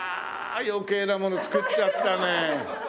余計なもの作っちゃったね。